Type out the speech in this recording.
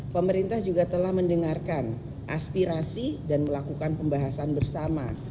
pemerintah juga telah mendengarkan aspirasi dan melakukan pembahasan bersama